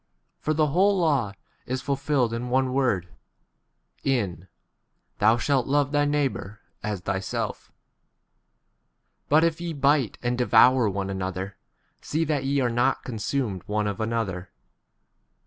For the whole law is fulfilled in one word, in Thou shalt love thy neighbour 15 as thyself ; but if ye bite and devour one another, see that ye are not consumed one of another.